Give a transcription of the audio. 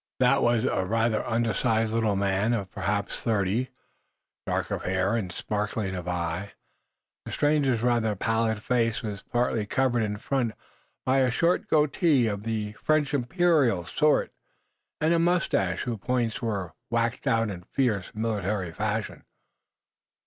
"That" was, a rather undersized little man, of perhaps thirty. Dark of hair, and sparkling of eye, the stranger's rather pallid face was partly covered, in front, by a short goatee, of the French "imperial" sort, and a moustache whose points were waxed out in fierce military fashion.